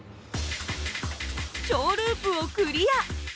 小ループをクリア。